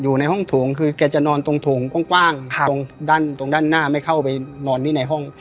อยู่ในห้องโถงคือแกจะนอนตรงโถงกว้างตรงด้านตรงด้านหน้าไม่เข้าไปนอนที่ในห้อง